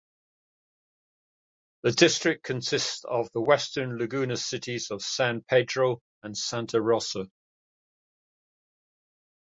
The district consists of the western Laguna cities of San Pedro and Santa Rosa.